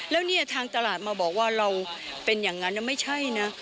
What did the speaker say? แล้วเนี่ยทางตลาดมาบอกว่าเราเป็นอย่างนั้นไม่ใช่นะ